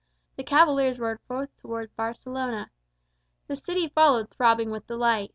The cavaliers rode forth toward Barcelona. The city followed, throbbing with delight.